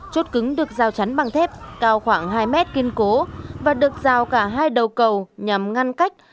chốt cứng được giao chắn bằng thép cao khoảng hai mét kiên cố và được rào cả hai đầu cầu nhằm ngăn cách